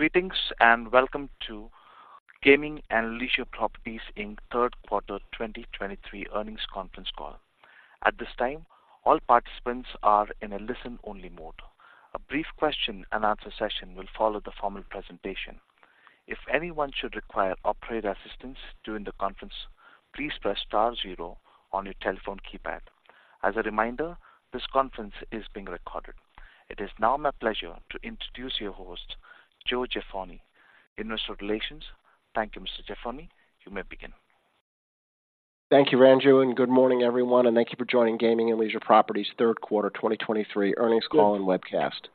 Greetings, and welcome to Gaming and Leisure Properties, Inc. third quarter 2023 earnings conference call. At this time, all participants are in a listen-only mode. A brief question-and-answer session will follow the formal presentation. If anyone should require operator assistance during the conference, please press star zero on your telephone keypad. As a reminder, this conference is being recorded. It is now my pleasure to introduce your host, Joe Jaffoni, Investor Relations. Thank you, Mr. Jaffoni. You may begin. Thank you, Ranju, and good morning, everyone, and thank you for joining Gaming and Leisure Properties third quarter 2023 earnings call and webcast.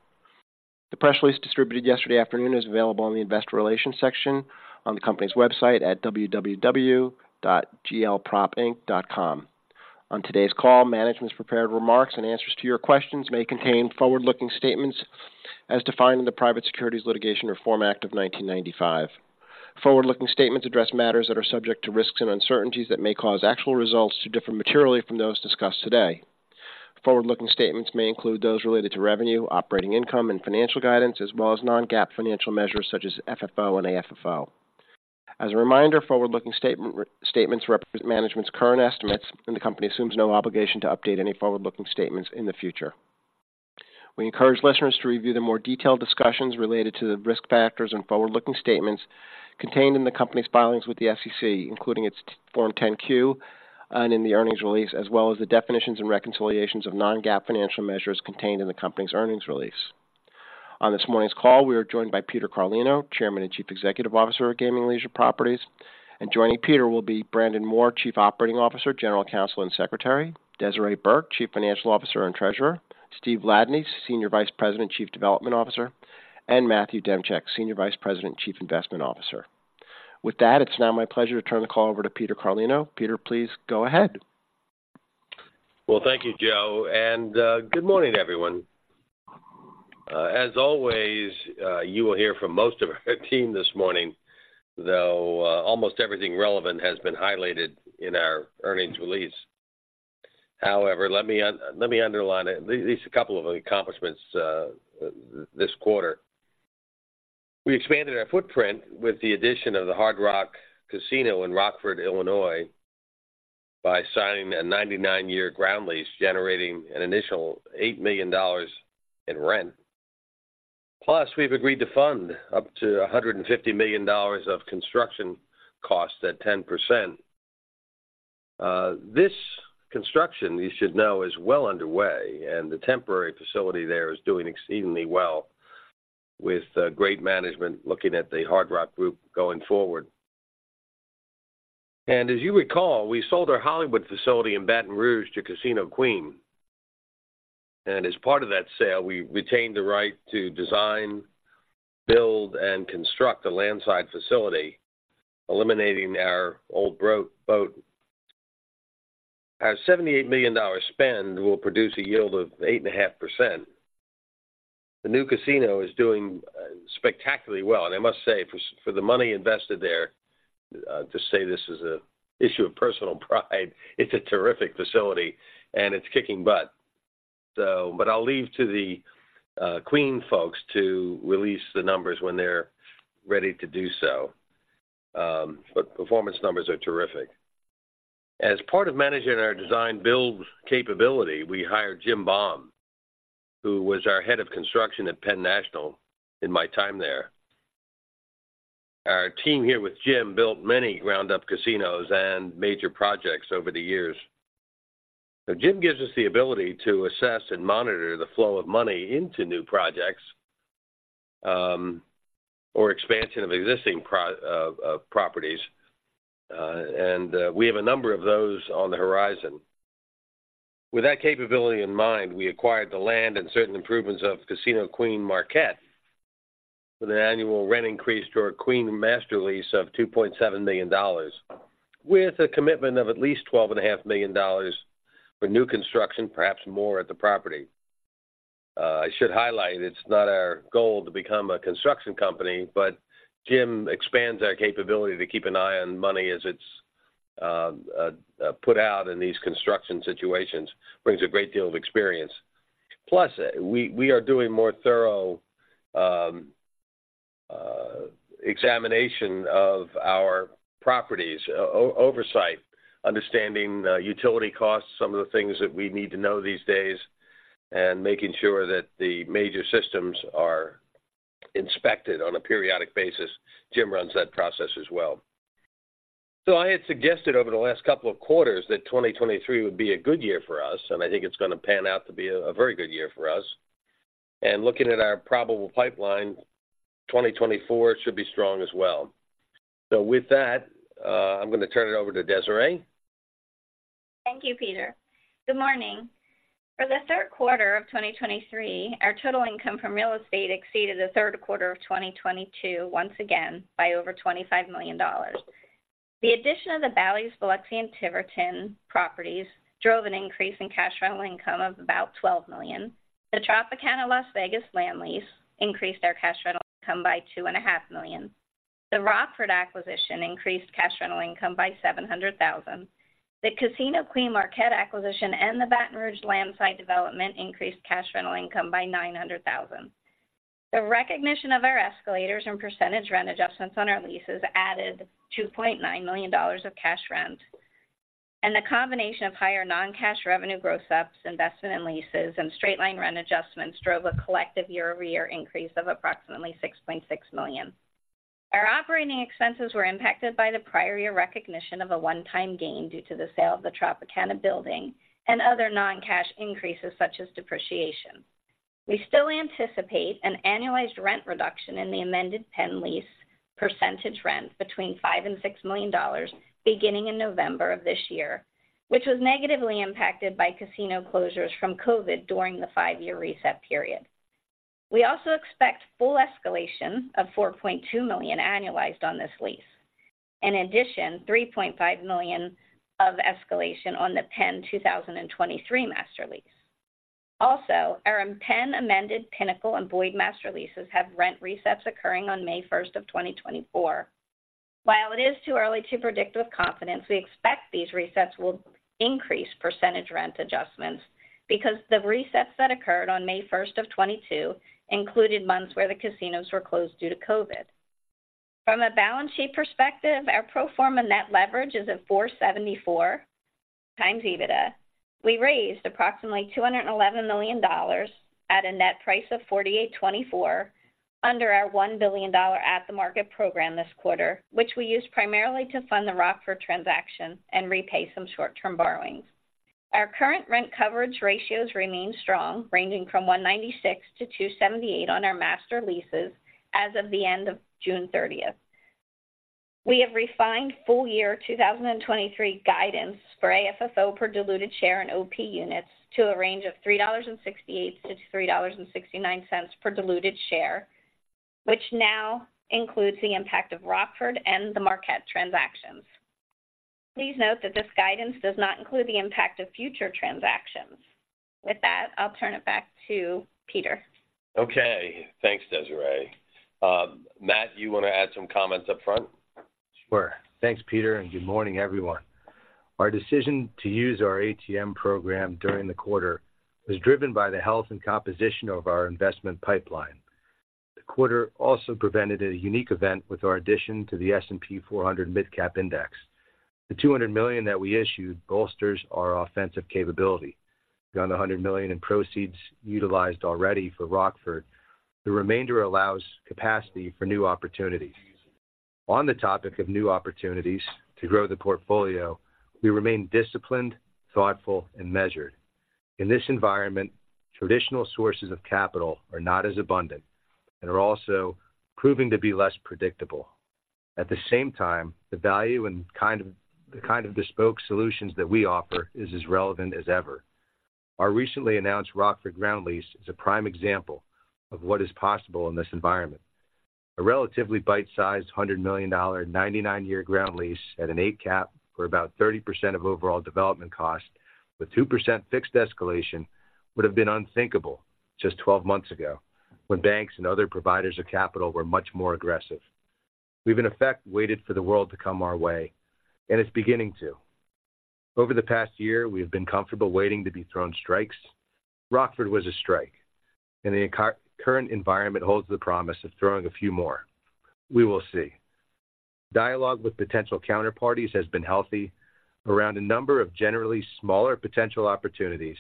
The press release distributed yesterday afternoon is available on the Investor Relations section on the company's website at www.glpropinc.com. On today's call, management's prepared remarks and answers to your questions may contain forward-looking statements as defined in the Private Securities Litigation Reform Act of 1995. Forward-looking statements address matters that are subject to risks and uncertainties that may cause actual results to differ materially from those discussed today. Forward-looking statements may include those related to revenue, operating income, and financial guidance, as well as Non-GAAP financial measures such as FFO and AFFO. As a reminder, forward-looking statements represent management's current estimates, and the company assumes no obligation to update any forward-looking statements in the future. We encourage listeners to review the more detailed discussions related to the risk factors and forward-looking statements contained in the company's filings with the SEC, including its Form 10-Q and in the earnings release, as well as the definitions and reconciliations of Non-GAAP financial measures contained in the company's earnings release. On this morning's call, we are joined by Peter Carlino, Chairman and Chief Executive Officer of Gaming and Leisure Properties. Joining Peter will be Brandon Moore, Chief Operating Officer, General Counsel, and Secretary; Desiree Burke, Chief Financial Officer and Treasurer; Steve Ladany, Senior Vice President and Chief Development Officer; and Matthew Demchyk, Senior Vice President and Chief Investment Officer. With that, it's now my pleasure to turn the call over to Peter Carlino. Peter, please go ahead. Well, thank you, Joe, and good morning, everyone. As always, you will hear from most of our team this morning, though almost everything relevant has been highlighted in our earnings release. However, let me underline at least a couple of accomplishments this quarter. We expanded our footprint with the addition of the Hard Rock Casino in Rockford, Illinois, by signing a 99-year ground lease, generating an initial $8 million in rent. Plus, we've agreed to fund up to $150 million of construction costs at 10%. This construction, you should know, is well underway, and the temporary facility there is doing exceedingly well with great management looking at the Hard Rock group going forward. As you recall, we sold our Hollywood facility in Baton Rouge to Casino Queen, and as part of that sale, we retained the right to design, build, and construct a landside facility, eliminating our old boat. Our $78 million spend will produce a yield of 8.5%. The new casino is doing spectacularly well, and I must say, for the money invested there, to say this is an issue of personal pride, it's a terrific facility, and it's kicking butt. So... But I'll leave to the Queen folks to release the numbers when they're ready to do so. But performance numbers are terrific. As part of managing our design build capability, we hired Jim Baum, who was our head of construction at Penn National during my time there. Our team here with Jim built many ground-up casinos and major projects over the years. So Jim gives us the ability to assess and monitor the flow of money into new projects, or expansion of existing properties, and we have a number of those on the horizon. With that capability in mind, we acquired the land and certain improvements of Casino Queen Marquette, with an annual rent increase to our Queen master lease of $2.7 million, with a commitment of at least $12.5 million for new construction, perhaps more at the property. I should highlight, it's not our goal to become a construction company, but Jim expands our capability to keep an eye on money as it's put out in these construction situations. Brings a great deal of experience. Plus, we are doing more thorough examination of our properties, oversight, understanding, utility costs, some of the things that we need to know these days, and making sure that the major systems are inspected on a periodic basis. Jim runs that process as well. I had suggested over the last couple of quarters that 2023 would be a good year for us, and I think it's going to pan out to be a very good year for us. Looking at our probable pipeline, 2024 should be strong as well. With that, I'm going to turn it over to Desiree. Thank you, Peter. Good morning. For the third quarter of 2023, our total income from real estate exceeded the third quarter of 2022 once again by over $25 million. The addition of the Bally's Biloxi and Tiverton properties drove an increase in cash rental income of about $12 million. The Tropicana Las Vegas land lease increased our cash rental income by $2.5 million.... The Rockford acquisition increased cash rental income by $700,000. The Casino Queen Marquette acquisition and the Baton Rouge land site development increased cash rental income by $900,000. The recognition of our escalators and percentage rent adjustments on our leases added $2.9 million of cash rent. The combination of higher non-cash revenue gross ups, investment in leases, and straight-line rent adjustments drove a collective year-over-year increase of approximately $6.6 million. Our operating expenses were impacted by the prior year recognition of a one-time gain due to the sale of the Tropicana building and other non-cash increases such as depreciation. We still anticipate an annualized rent reduction in the amended Penn lease percentage rent between $5-$6 million beginning in November of this year, which was negatively impacted by casino closures from COVID during the five-year reset period. We also expect full escalation of $4.2 million annualized on this lease. In addition, $3.5 million of escalation on the Penn 2023 master lease. Also, our Penn amended Pinnacle and Boyd master leases have rent resets occurring on May 1st, 2024. While it is too early to predict with confidence, we expect these resets will increase percentage rent adjustments because the resets that occurred on May 1st, 2022 included months where the casinos were closed due to COVID. From a balance sheet perspective, our pro forma net leverage is at 4.74x EBITDA. We raised approximately $211 million at a net price of $48.24 under our $1 billion at-the-market program this quarter, which we used primarily to fund the Rockford transaction and repay some short-term borrowings. Our current rent coverage ratios remain strong, ranging from $1.96-$2.78 on our master leases as of the end of June 30th. We have refined full year 2023 guidance for AFFO per diluted share and OP units to a range of $3.68-$3.69 per diluted share, which now includes the impact of Rockford and the Marquette transactions. Please note that this guidance does not include the impact of future transactions. With that, I'll turn it back to Peter. Okay, thanks, Desiree. Matt, you want to add some comments up front? Sure. Thanks, Peter, and good morning, everyone. Our decision to use our ATM program during the quarter was driven by the health and composition of our investment pipeline. The quarter also presented a unique event with our addition to the S&P 400 MidCap Index. The $200 million that we issued bolsters our offensive capability. Beyond the $100 million in proceeds utilized already for Rockford, the remainder allows capacity for new opportunities. On the topic of new opportunities to grow the portfolio, we remain disciplined, thoughtful, and measured. In this environment, traditional sources of capital are not as abundant and are also proving to be less predictable. At the same time, the value and kind of bespoke solutions that we offer is as relevant as ever. Our recently announced Rockford ground lease is a prime example of what is possible in this environment. A relatively bite-sized $100 million 99-year ground lease at an 8 cap for about 30% of overall development cost, with 2% fixed escalation, would have been unthinkable just 12 months ago, when banks and other providers of capital were much more aggressive. We've, in effect, waited for the world to come our way, and it's beginning to. Over the past year, we have been comfortable waiting to be thrown strikes. Rockford was a strike, and the current environment holds the promise of throwing a few more. We will see. Dialogue with potential counterparties has been healthy around a number of generally smaller potential opportunities,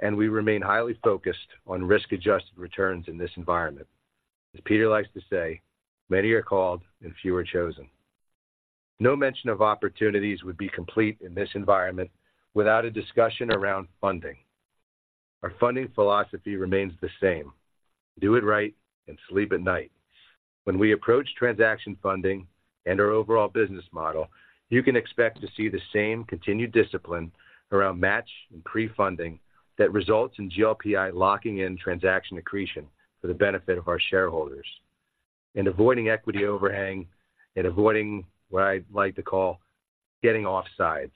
and we remain highly focused on risk-adjusted returns in this environment. As Peter likes to say, "Many are called, and few are chosen." No mention of opportunities would be complete in this environment without a discussion around funding. Our funding philosophy remains the same: do it right and sleep at night. When we approach transaction funding and our overall business model, you can expect to see the same continued discipline around match and pre-funding that results in GLPI locking in transaction accretion for the benefit of our shareholders, and avoiding equity overhang and avoiding what I like to call getting offsides.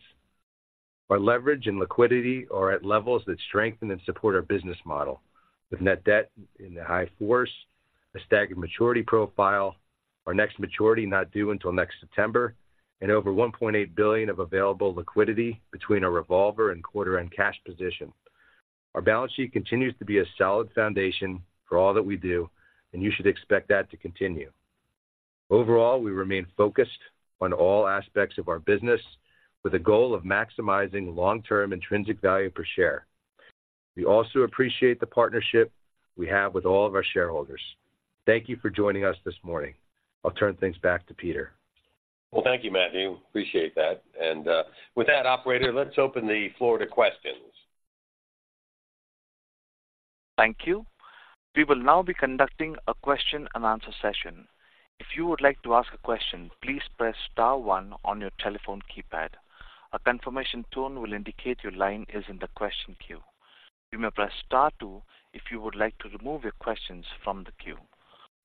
Our leverage and liquidity are at levels that strengthen and support our business model. With net debt in the high fours, a staggered maturity profile, our next maturity not due until next September, and over $1.8 billion of available liquidity between our revolver and quarter-end cash position. Our balance sheet continues to be a solid foundation for all that we do, and you should expect that to continue. Overall, we remain focused on all aspects of our business with the goal of maximizing long-term intrinsic value per share. We also appreciate the partnership we have with all of our shareholders. Thank you for joining us this morning. I'll turn things back to Peter. Well, thank you, Matthew. Appreciate that. With that, operator, let's open the floor to questions. Thank you. We will now be conducting a question-and-answer session. If you would like to ask a question, please press star one on your telephone keypad. A confirmation tone will indicate your line is in the question queue. You may press star two if you would like to remove your questions from the queue.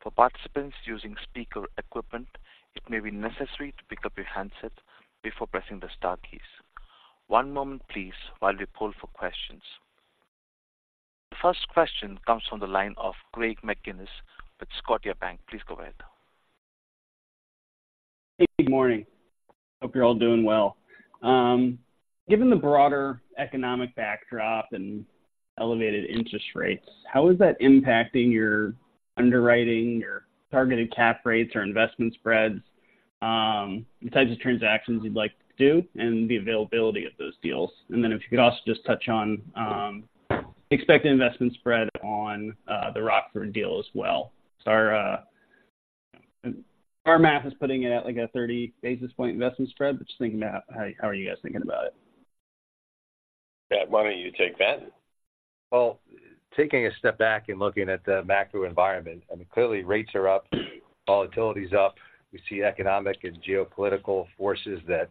For participants using speaker equipment, it may be necessary to pick up your handset before pressing the star keys. One moment please while we poll for questions.... The first question comes from the line of Craig Mailman with Scotiabank. Please go ahead. Hey, good morning. Hope you're all doing well. Given the broader economic backdrop and elevated interest rates, how is that impacting your underwriting, your targeted cap rates or investment spreads, the types of transactions you'd like to do, and the availability of those deals? And then if you could also just touch on, expected investment spread on, the Rockford deal as well. So our math is putting it at, like, a 30 basis point investment spread, but just thinking about how are you guys thinking about it? Matt, why don't you take that? Well, taking a step back and looking at the macro environment, I mean, clearly rates are up, volatility is up. We see economic and geopolitical forces that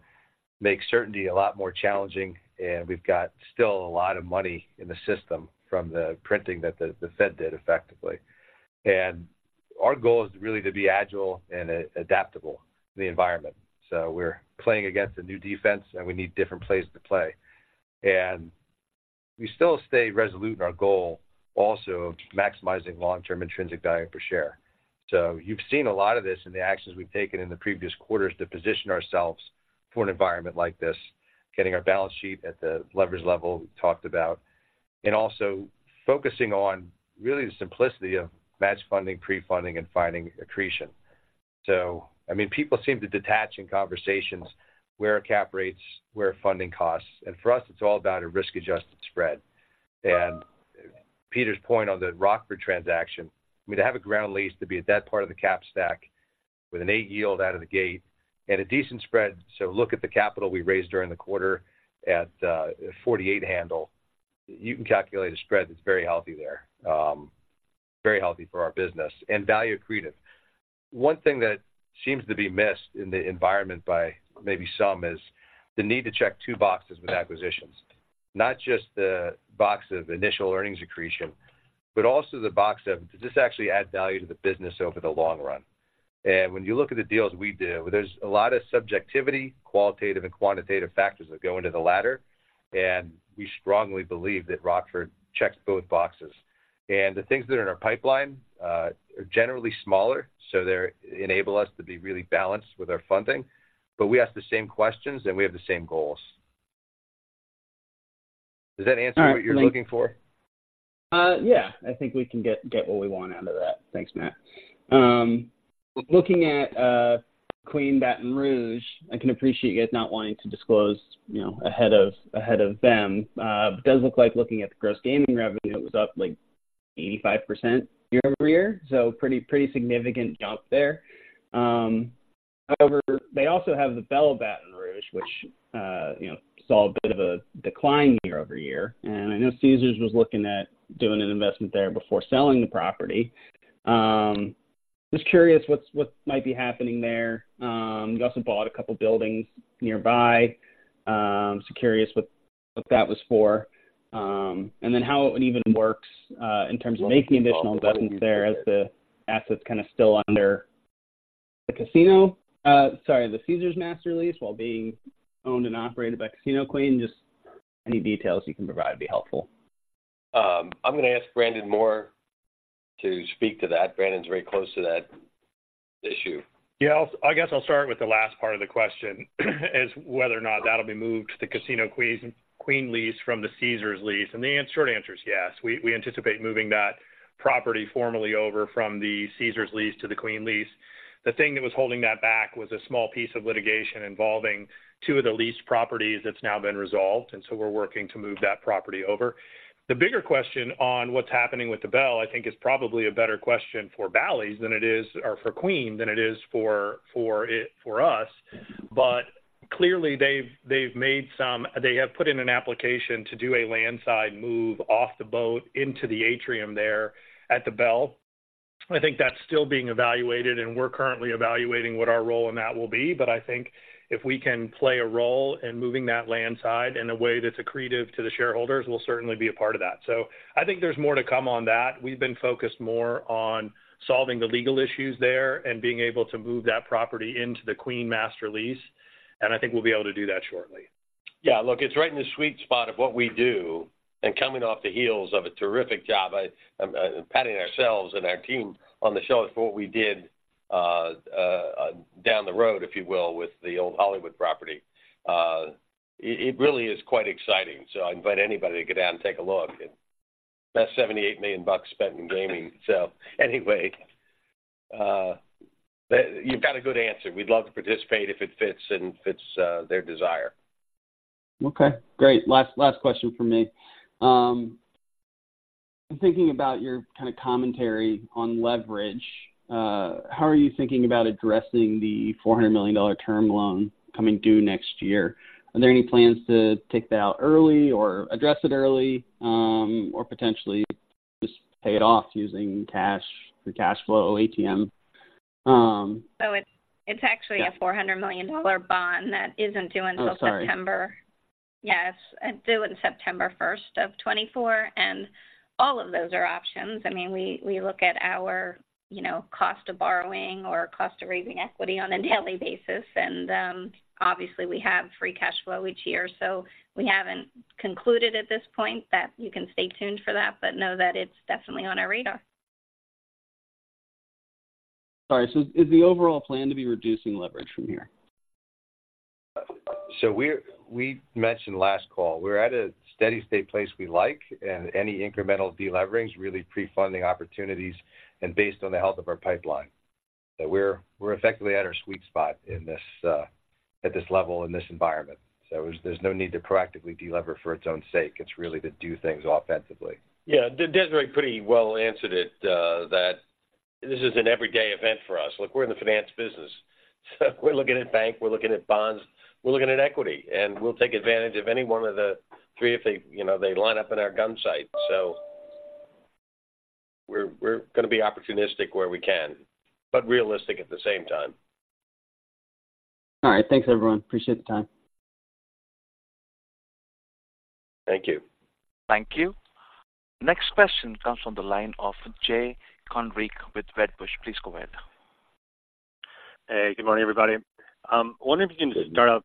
make certainty a lot more challenging, and we've got still a lot of money in the system from the printing that the, the Fed did effectively. And our goal is really to be agile and, adaptable to the environment. So we're playing against a new defense, and we need different plays to play. And we still stay resolute in our goal also of maximizing long-term intrinsic value per share. So you've seen a lot of this in the actions we've taken in the previous quarters to position ourselves for an environment like this, getting our balance sheet at the leverage level we've talked about, and also focusing on really the simplicity of match funding, pre-funding, and finding accretion. So, I mean, people seem to detach in conversations where are cap rates, where are funding costs, and for us, it's all about a risk-adjusted spread. And Peter's point on the Rockford transaction, I mean, to have a ground lease to be at that part of the cap stack with an 8% yield out of the gate and a decent spread. So look at the capital we raised during the quarter at 48 handle. You can calculate a spread that's very healthy there, very healthy for our business and value accretive. One thing that seems to be missed in the environment by maybe some is the need to check two boxes with acquisitions, not just the box of initial earnings accretion, but also the box of, does this actually add value to the business over the long run? When you look at the deals we do, there's a lot of subjectivity, qualitative and quantitative factors that go into the latter, and we strongly believe that Rockford checks both boxes. The things that are in our pipeline are generally smaller, so they enable us to be really balanced with our funding, but we ask the same questions, and we have the same goals. Does that answer what you're looking for? Yeah, I think we can get, get what we want out of that. Thanks, Matt. Looking at Queen Baton Rouge, I can appreciate you guys not wanting to disclose, you know, ahead of, ahead of them. It does look like looking at the gross gaming revenue, it was up, like, 85% year-over-year, so pretty, pretty significant jump there. However, they also have the Belle of Baton Rouge, which, you know, saw a bit of a decline year-over-year, and I know Caesars was looking at doing an investment there before selling the property. Just curious what's, what might be happening there. You also bought a couple buildings nearby, so curious what that was for, and then how it even works, in terms of making additional investments there as the assets kind of still under the casino. Sorry, the Caesars master lease, while being owned and operated by Casino Queen. Just any details you can provide would be helpful. I'm going to ask Brandon Moore to speak to that. Brandon's very close to that issue. Yeah. I'll, I guess I'll start with the last part of the question, is whether or not that'll be moved to the Casino Queen lease from the Caesars lease, and the short answer is yes. We, we anticipate moving that property formally over from the Caesars lease to the Queen lease. The thing that was holding that back was a small piece of litigation involving two of the leased properties that's now been resolved, and so we're working to move that property over. The bigger question on what's happening with the Belle, I think, is probably a better question for Bally's than it is... or for Queen, than it is for, for it, for us. But clearly, they've, they've made some-- they have put in an application to do a landside move off the boat into the atrium there at the Belle. I think that's still being evaluated, and we're currently evaluating what our role in that will be, but I think if we can play a role in moving that landside in a way that's accretive to the shareholders, we'll certainly be a part of that. So I think there's more to come on that. We've been focused more on solving the legal issues there and being able to move that property into the Queen Master Lease, and I think we'll be able to do that shortly. Yeah, look, it's right in the sweet spot of what we do, and coming off the heels of a terrific job, I'm patting ourselves and our team on the shoulder for what we did down the road, if you will, with the old Hollywood property. It really is quite exciting, so I invite anybody to go down and take a look. And that's $78 million spent in gaming. So anyway, that—you've got a good answer. We'd love to participate if it fits and fits their desire. Okay, great. Last, last question from me. I'm thinking about your kind of commentary on leverage. How are you thinking about addressing the $400 million term loan coming due next year? Are there any plans to take that out early or address it early, or potentially just pay it off using cash or cash flow or ATM? It's actually a $400 million bond that isn't due until September. Oh, sorry. Yes, it's due on September first of 2024, and all of those are options. I mean, we look at our, you know, cost of borrowing or cost of raising equity on a daily basis, and obviously, we have free cash flow each year. So we haven't concluded at this point that you can stay tuned for that, but know that it's definitely on our radar. Sorry, so is the overall plan to be reducing leverage from here? So we mentioned last call, we're at a steady state place we like, and any incremental deleveraging is really pre-funding opportunities and based on the health of our pipeline. So we're, we're effectively at our sweet spot in this at this level, in this environment. So there's, there's no need to proactively delever for its own sake. It's really to do things offensively. Yeah, Desiree pretty well answered it, that this is an everyday event for us. Look, we're in the finance business, so we're looking at bank, we're looking at bonds, we're looking at equity, and we'll take advantage of any one of the three if they, you know, they line up in our gun sight. So we're going to be opportunistic where we can, but realistic at the same time. All right. Thanks, everyone. Appreciate the time. Thank you. Thank you. Next question comes from the line of Jay Kornreich with Wedbush. Please go ahead. Hey, good morning, everybody. I wonder if you can start out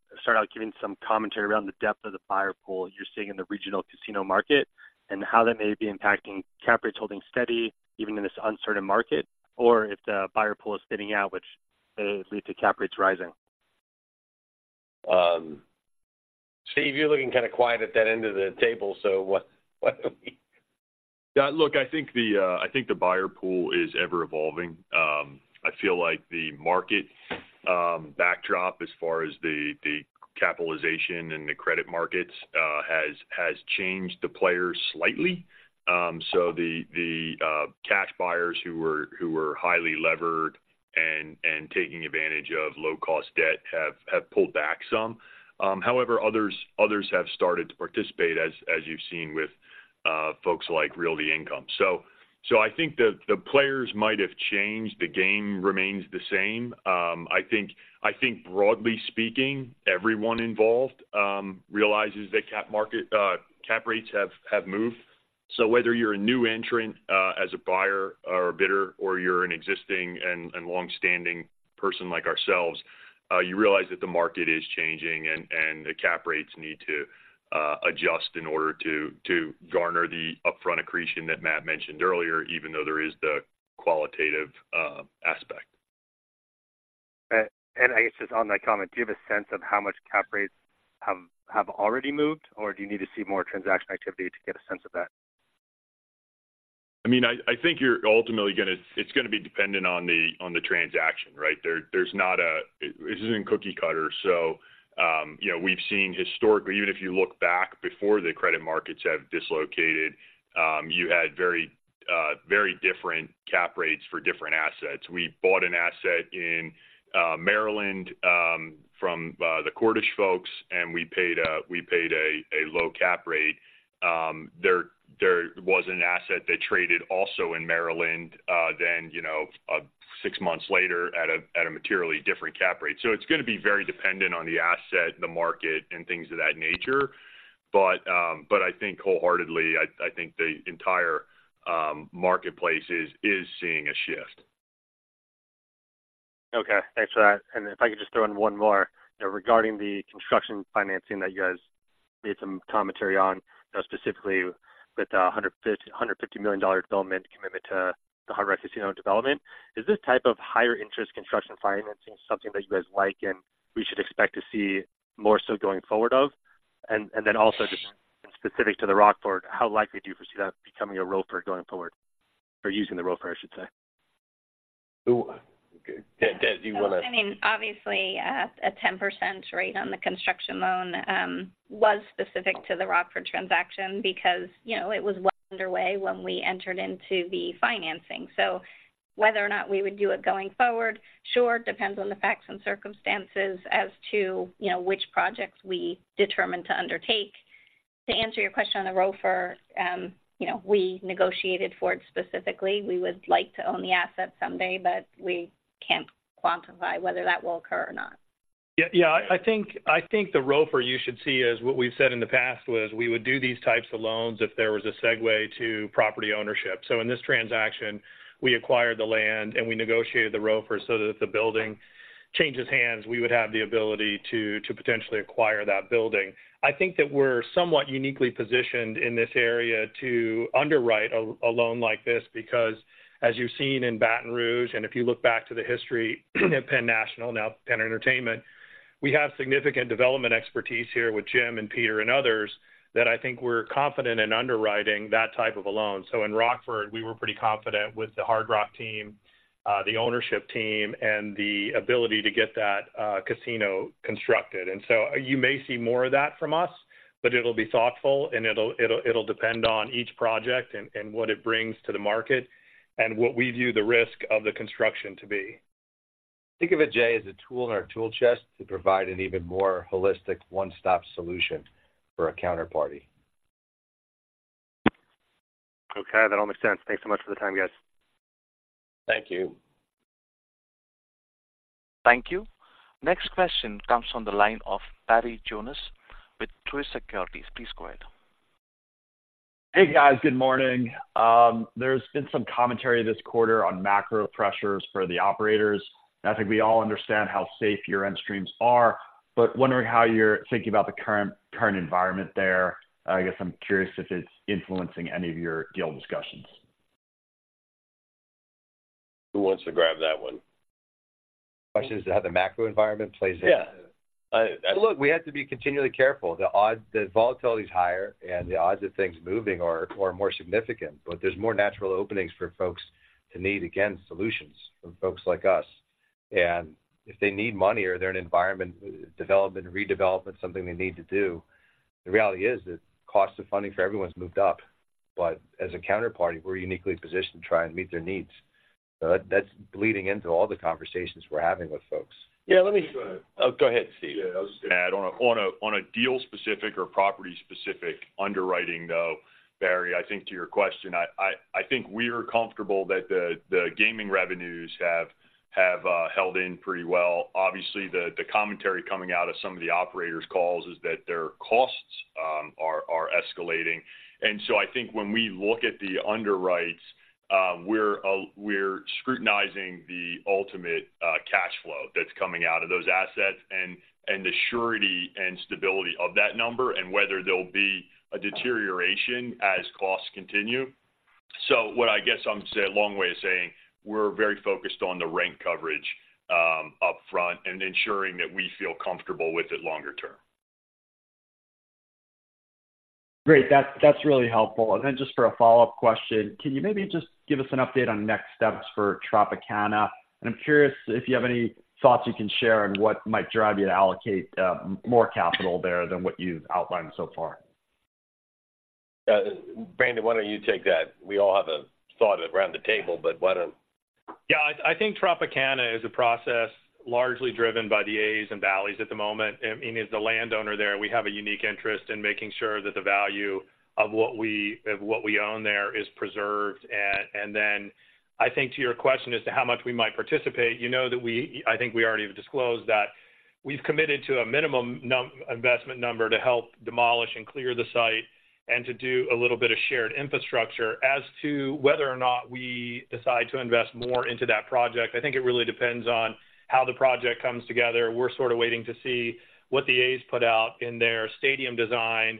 giving some commentary around the depth of the buyer pool you're seeing in the regional casino market, and how that may be impacting cap rates holding steady even in this uncertain market, or if the buyer pool is thinning out, which lead to cap rates rising? Steve, you're looking kind of quiet at that end of the table, so what, what? Yeah, look, I think the buyer pool is ever evolving. I feel like the market backdrop as far as the capitalization and the credit markets has changed the players slightly. So the cash buyers who were highly levered and taking advantage of low-cost debt have pulled back some. However, others have started to participate as you've seen with folks like Realty Income. So I think the players might have changed. The game remains the same. I think broadly speaking, everyone involved realizes that cap market cap rates have moved. Whether you're a new entrant, as a buyer or a bidder, or you're an existing and long-standing person like ourselves, you realize that the market is changing and the cap rates need to adjust in order to garner the upfront accretion that Matt mentioned earlier, even though there is the qualitative aspect. And I guess just on that comment, do you have a sense of how much cap rates have already moved, or do you need to see more transaction activity to get a sense of that? I mean, I think you're ultimately gonna, it's gonna be dependent on the, on the transaction, right? There's not a... This isn't cookie cutter. So, you know, we've seen historically, even if you look back before the credit markets have dislocated, you had very, very different cap rates for different assets. We bought an asset in Maryland, from the Cordish folks, and we paid a low cap rate. There was an asset that traded also in Maryland, then, you know, six months later at a materially different cap rate. So it's going to be very dependent on the asset, the market, and things of that nature. But, but I think wholeheartedly, I think the entire marketplace is seeing a shift. Okay. Thanks for that. And if I could just throw in one more. Regarding the construction financing that you guys made some commentary on, specifically with the $150 million development commitment to the Hard Rock Casino development. Is this type of higher interest construction financing something that you guys like, and we should expect to see more so going forward of? And then also just specific to the Rockford, how likely do you foresee that becoming a ROFR going forward? Or using the ROFR, I should say. Who? Okay, Des, do you want to- I mean, obviously, a 10% rate on the construction loan was specific to the Rockford transaction because, you know, it was well underway when we entered into the financing. So whether or not we would do it going forward, sure, it depends on the facts and circumstances as to, you know, which projects we determine to undertake. To answer your question on the ROFR, you know, we negotiated for it specifically. We would like to own the asset someday, but we can't quantify whether that will occur or not. Yeah, yeah. I think, I think the ROFR you should see as what we've said in the past was, we would do these types of loans if there was a segue to property ownership. So in this transaction, we acquired the land, and we negotiated the ROFR so that if the building changes hands, we would have the ability to, to potentially acquire that building. I think that we're somewhat uniquely positioned in this area to underwrite a, a loan like this, because as you've seen in Baton Rouge, and if you look back to the history at Penn National, now Penn Entertainment, we have significant development expertise here with Jim and Peter and others, that I think we're confident in underwriting that type of a loan. So in Rockford, we were pretty confident with the Hard Rock team, the ownership team, and the ability to get that casino constructed. So you may see more of that from us, but it'll be thoughtful, and it'll depend on each project and what it brings to the market and what we view the risk of the construction to be. Think of it, Jay, as a tool in our tool chest to provide an even more holistic, one-stop solution for a counterparty. Okay, that all makes sense. Thanks so much for the time, guys. Thank you. Thank you. Next question comes from the line of Barry Jonas with Truist Securities. Please go ahead. Hey, guys. Good morning. There's been some commentary this quarter on macro pressures for the operators, and I think we all understand how safe your rent streams are, but wondering how you're thinking about the current, current environment there. I guess I'm curious if it's influencing any of your deal discussions.... Who wants to grab that one? Question is, how the macro environment plays in? Yeah, I- Look, we have to be continually careful. The odds, the volatility is higher, and the odds of things moving are more significant. But there's more natural openings for folks to need, again, solutions from folks like us. And if they need money or they're in an environment, development, redevelopment, something they need to do, the reality is that cost of funding for everyone's moved up. But as a counterparty, we're uniquely positioned to try and meet their needs. So that, that's bleeding into all the conversations we're having with folks. Yeah, let me- Go ahead. Oh, go ahead, Steve. Yeah, I was just gonna add on a deal-specific or property-specific underwriting, though, Barry, I think to your question, I think we are comfortable that the gaming revenues have held in pretty well. Obviously, the commentary coming out of some of the operators' calls is that their costs are escalating. And so I think when we look at the underwrites, we're scrutinizing the ultimate cash flow that's coming out of those assets and the surety and stability of that number and whether there'll be a deterioration as costs continue. So what I guess I'm saying, a long way of saying, we're very focused on the rent coverage upfront and ensuring that we feel comfortable with it longer term. Great. That's, that's really helpful. And then just for a follow-up question, can you maybe just give us an update on next steps for Tropicana? And I'm curious if you have any thoughts you can share on what might drive you to allocate more capital there than what you've outlined so far. Brandon, why don't you take that? We all have a thought around the table, but why don't- Yeah, I, I think Tropicana is a process largely driven by the A's and Bally's at the moment. And, and as the landowner there, we have a unique interest in making sure that the value of what we, of what we own there is preserved. And, and then I think to your question as to how much we might participate, you know that we-- I think we already disclosed that we've committed to a minimum investment number to help demolish and clear the site and to do a little bit of shared infrastructure. As to whether or not we decide to invest more into that project, I think it really depends on how the project comes together. We're sort of waiting to see what the A's put out in their stadium design,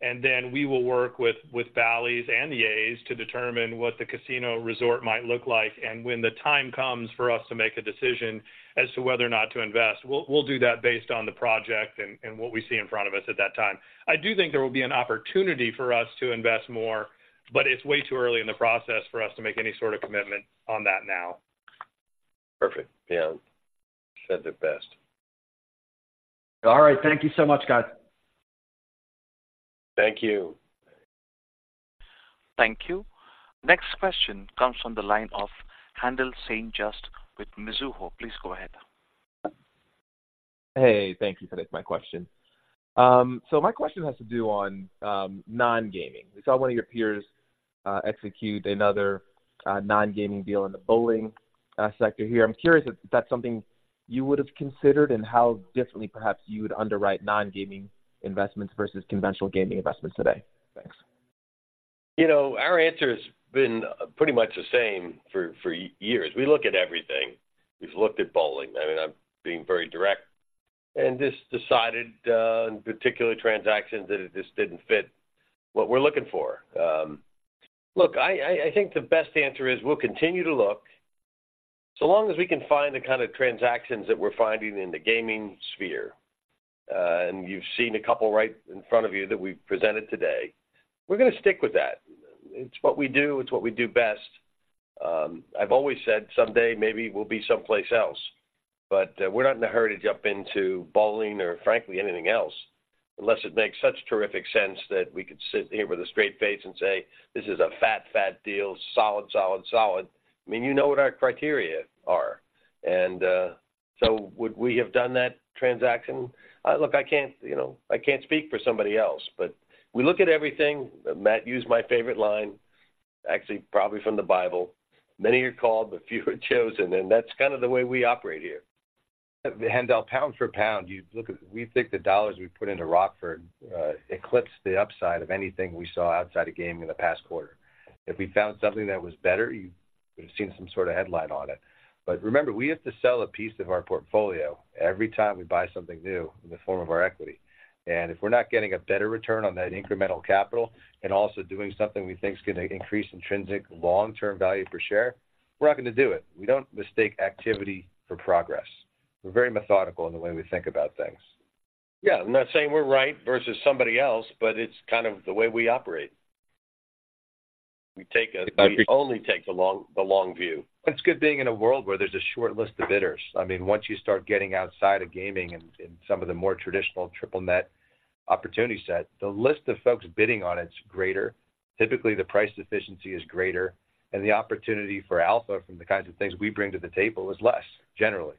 and then we will work with Bally's and the A's to determine what the casino resort might look like. When the time comes for us to make a decision as to whether or not to invest, we'll do that based on the project and what we see in front of us at that time. I do think there will be an opportunity for us to invest more, but it's way too early in the process for us to make any sort of commitment on that now. Perfect. Yeah. Said it best. All right. Thank you so much, guys. Thank you. Thank you. Next question comes from the line of Haendel St. Juste with Mizuho. Please go ahead. Hey, thank you for taking my question. So my question has to do on non-gaming. We saw one of your peers execute another non-gaming deal in the bowling sector here. I'm curious if that's something you would have considered and how differently perhaps you would underwrite non-gaming investments versus conventional gaming investments today. Thanks. You know, our answer has been pretty much the same for years. We look at everything. We've looked at bowling. I mean, I'm being very direct and just decided in particular transactions, that it just didn't fit what we're looking for. Look, I think the best answer is we'll continue to look. So long as we can find the kind of transactions that we're finding in the gaming sphere, and you've seen a couple right in front of you that we've presented today, we're gonna stick with that. It's what we do. It's what we do best. I've always said someday, maybe we'll be someplace else, but we're not in a hurry to jump into bowling or frankly, anything else, unless it makes such terrific sense that we could sit here with a straight face and say, "This is a fat, fat deal, solid, solid, solid." I mean, you know what our criteria are. And so would we have done that transaction? Look, I can't, you know, I can't speak for somebody else, but we look at everything. Matt used my favorite line, actually, probably from the Bible. "Many are called, but few are chosen." And that's kind of the way we operate here. Haendel, pound for pound, you look at—we think the dollars we put into Rockford eclipsed the upside of anything we saw outside of gaming in the past quarter. If we found something that was better, you would have seen some sort of headline on it. But remember, we have to sell a piece of our portfolio every time we buy something new in the form of our equity. And if we're not getting a better return on that incremental capital and also doing something we think is going to increase intrinsic long-term value per share, we're not going to do it. We don't mistake activity for progress. We're very methodical in the way we think about things. Yeah, I'm not saying we're right versus somebody else, but it's kind of the way we operate. We take a- I appreciate- We only take the long, the long view. It's good being in a world where there's a short list of bidders. I mean, once you start getting outside of gaming and some of the more traditional triple-net opportunity set, the list of folks bidding on it is greater. Typically, the price efficiency is greater, and the opportunity for alpha from the kinds of things we bring to the table is less, generally.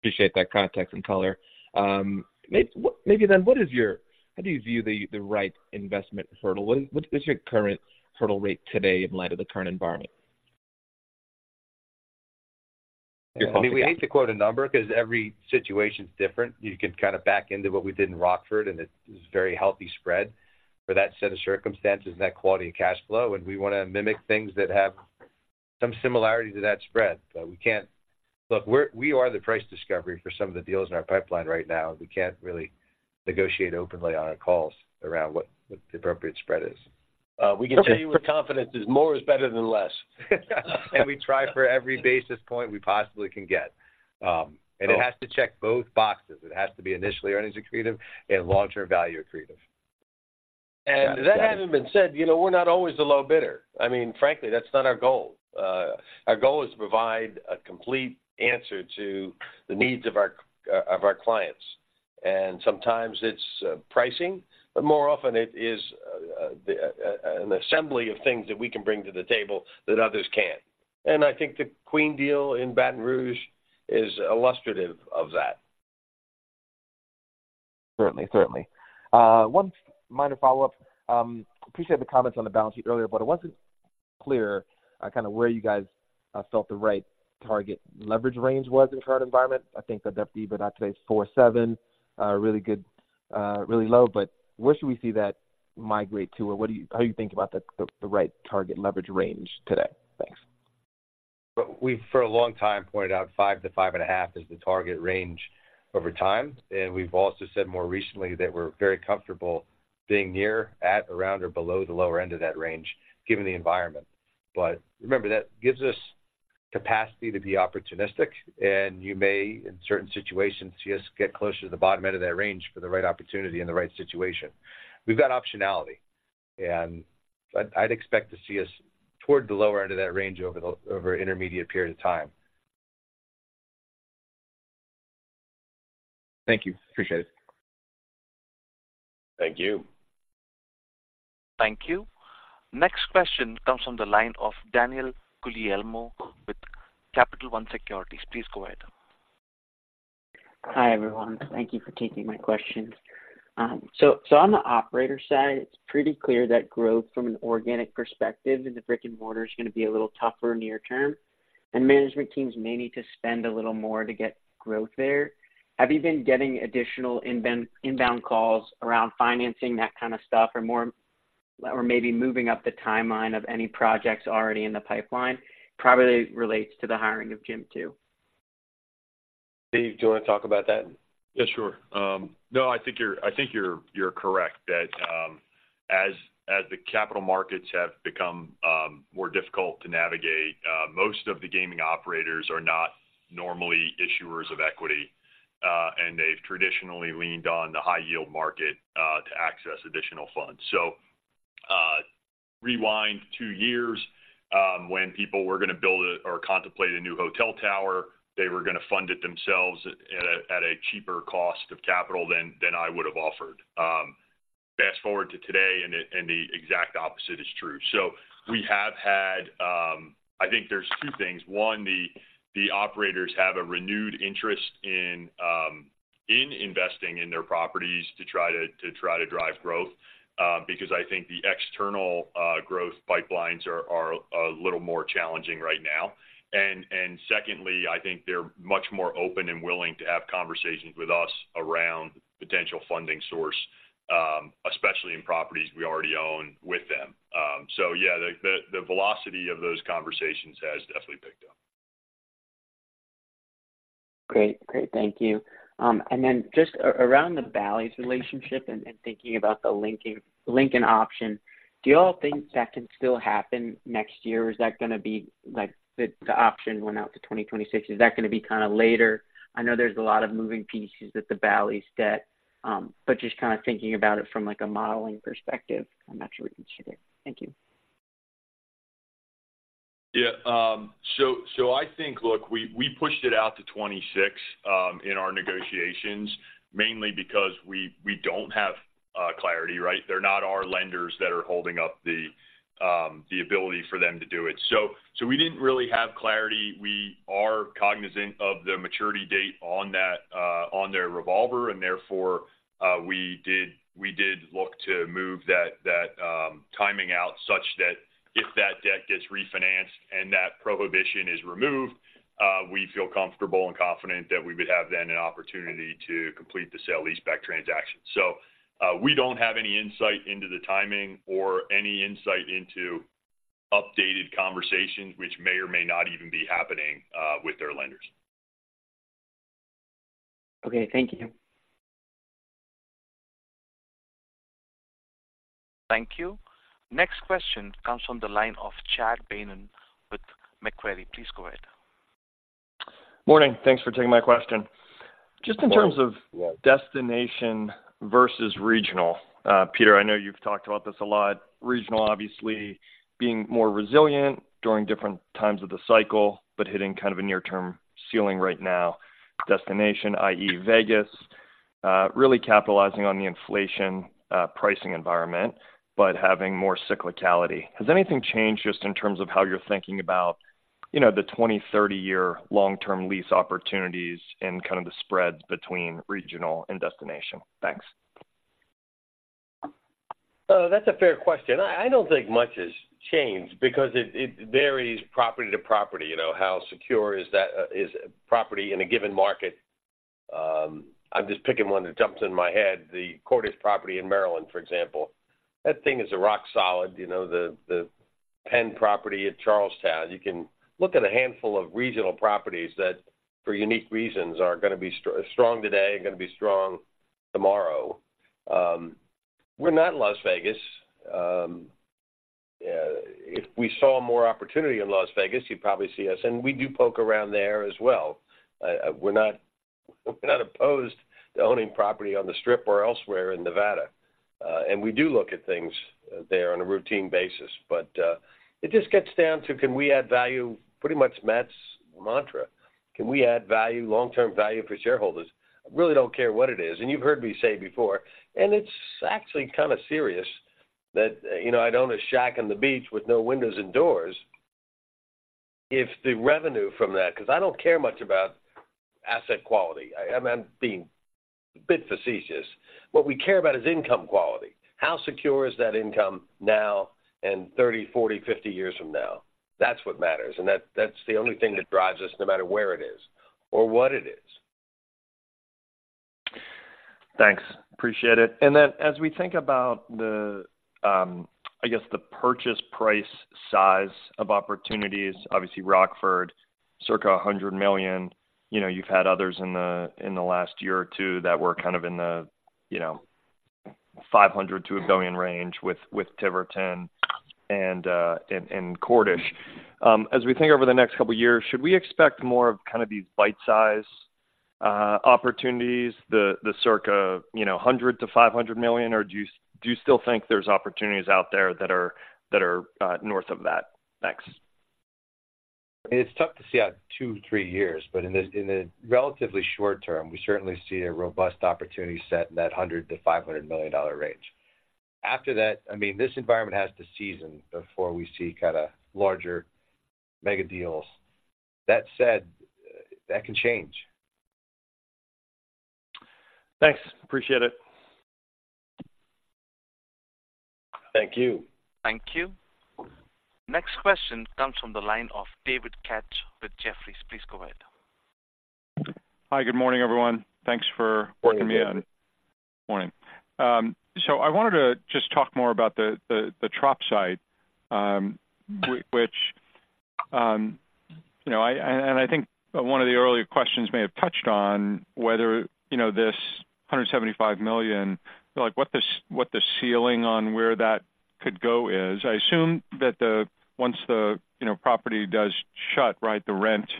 Appreciate that context and color. Maybe then, what is your... How do you view the, the right investment hurdle? What, what is your current hurdle rate today in light of the current environment? I mean, we hate to quote a number because every situation is different. You can kind of back into what we did in Rockford, and it's very healthy spread for that set of circumstances and that quality of cash flow. And we want to mimic things that have-... some similarity to that spread, but we can't. Look, we are the price discovery for some of the deals in our pipeline right now. We can't really negotiate openly on our calls around what the appropriate spread is. We can tell you with confidence, more is better than less. We try for every basis point we possibly can get. It has to check both boxes. It has to be initially earnings accretive and long-term value accretive. That having been said, you know, we're not always the low bidder. I mean, frankly, that's not our goal. Our goal is to provide a complete answer to the needs of our clients. And sometimes it's pricing, but more often it is an assembly of things that we can bring to the table that others can't. And I think the Queen deal in Baton Rouge is illustrative of that. Certainly, certainly. One minor follow-up. I appreciate the comments on the balance sheet earlier, but it wasn't clear, kind of where you guys felt the right target leverage range was in the current environment. I think the deputy, but not today, is 4.7, really good, really low. Where should we see that migrate to? How do you think about the, the, the right target leverage range today? Thanks. Well, we've for a long time pointed out 5-5.5 as the target range over time, and we've also said more recently that we're very comfortable being near, at, around, or below the lower end of that range, given the environment. But remember, that gives us capacity to be opportunistic, and you may, in certain situations, see us get closer to the bottom end of that range for the right opportunity and the right situation. We've got optionality, and I'd, I'd expect to see us toward the lower end of that range over an intermediate period of time. Thank you. Appreciate it. Thank you. Thank you. Next question comes from the line of Daniel Guglielmo with Capital One Securities. Please go ahead. Hi, everyone. Thank you for taking my questions. So, on the operator side, it's pretty clear that growth from an organic perspective in the brick-and-mortar is gonna be a little tougher near term, and management teams may need to spend a little more to get growth there. Have you been getting additional inbound calls around financing, that kind of stuff, or more, or maybe moving up the timeline of any projects already in the pipeline? Probably relates to the hiring of Jim, too. Steve, do you wanna talk about that? Yes, sure. No, I think you're correct, that as the capital markets have become more difficult to navigate, most of the gaming operators are not normally issuers of equity, and they've traditionally leaned on the high yield market to access additional funds. So, rewind two years, when people were gonna build or contemplate a new hotel tower, they were gonna fund it themselves at a cheaper cost of capital than I would have offered. Fast-forward to today, and the exact opposite is true. So we have had. I think there's two things: One, the operators have a renewed interest in investing in their properties to try to drive growth, because I think the external growth pipelines are a little more challenging right now. And secondly, I think they're much more open and willing to have conversations with us around potential funding source, especially in properties we already own with them. So yeah, the velocity of those conversations has definitely picked up. Great. Great, thank you. And then just around the Bally's relationship and thinking about the Lincoln option, do you all think that can still happen next year? Or is that gonna be, like, the option went out to 2026. Is that gonna be kind of later? I know there's a lot of moving pieces with the Bally's debt, but just kind of thinking about it from, like, a modeling perspective, I'm not sure we can see it. Thank you. Yeah, so I think, look, we pushed it out to 2026 in our negotiations, mainly because we don't have clarity, right? They're not our lenders that are holding up the ability for them to do it. So we didn't really have clarity. We are cognizant of the maturity date on that on their revolver, and therefore we did look to move that timing out such that if that debt gets refinanced and that prohibition is removed, we feel comfortable and confident that we would have then an opportunity to complete the sale-leaseback transaction. So we don't have any insight into the timing or any insight into updated conversations, which may or may not even be happening with their lenders. Okay, thank you. Thank you. Next question comes from the line of Chad Beynon with Macquarie. Please go ahead. Morning. Thanks for taking my question. Morning. Yeah. Just in terms of destination versus regional, Peter, I know you've talked about this a lot. Regional, obviously, being more resilient during different times of the cycle, but hitting kind of a near-term ceiling right now. Destination, i.e., Vegas, really capitalizing on the inflation, pricing environment, but having more cyclicality. Has anything changed just in terms of how you're thinking about, you know, the 20-year-30-year long-term lease opportunities and kind of the spreads between regional and destination? Thanks. That's a fair question. I, I don't think much has changed because it varies property to property, you know. How secure is that, is property in a given market?... I'm just picking one that jumps in my head, the Cordish property in Maryland, for example. That thing is a rock solid, you know, the Penn property at Charlestown. You can look at a handful of regional properties that, for unique reasons, are gonna be strong today, are gonna be strong tomorrow. We're not in Las Vegas. If we saw more opportunity in Las Vegas, you'd probably see us, and we do poke around there as well. We're not, we're not opposed to owning property on the Strip or elsewhere in Nevada, and we do look at things there on a routine basis. But it just gets down to, can we add value? Pretty much Matt's mantra: Can we add value, long-term value for shareholders? I really don't care what it is, and you've heard me say before, and it's actually kind of serious, that, you know, I'd own a shack on the beach with no windows and doors if the revenue from that, because I don't care much about asset quality. I'm being a bit facetious. What we care about is income quality. How secure is that income now and 30 years, 40 years, 50 years from now? That's what matters, and that, that's the only thing that drives us, no matter where it is or what it is. Thanks. Appreciate it. And then, as we think about the, I guess, the purchase price, size of opportunities, obviously, Rockford, circa $100 million. You know, you've had others in the, in the last year or two that were kind of in the, you know, $500 million-$1 billion range with, with Tiverton and, and, and Cordish. As we think over the next couple of years, should we expect more of, kind of these bite-size, opportunities, the, the circa, you know, $100 million-$500 million, or do you, do you still think there's opportunities out there that are, that are, north of that? Thanks. It's tough to see out 2-3 years, but in the relatively short term, we certainly see a robust opportunity set in that $100 million-$500 million range. After that, I mean, this environment has to season before we see kind of larger mega deals. That said, that can change. Thanks, appreciate it. Thank you. Thank you. Next question comes from the line of David Katz with Jefferies. Please go ahead. Hi, good morning, everyone. Thanks for working me in. Morning, David. Morning. So I wanted to just talk more about the Trop site, which, you know, I think one of the earlier questions may have touched on whether, you know, this $175 million, like, what the ceiling on where that could go is. I assume that once the property does shut, right, the rent